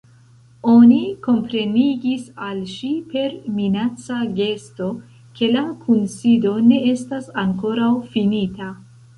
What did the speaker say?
Oni komprenigis al ŝi, per minaca gesto, ke la kunsido ne estas ankoraŭ finita.